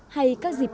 hay các dịp